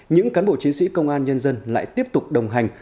những cán bộ chiến sĩ công an nhân dân lại tiếp tục đồng hành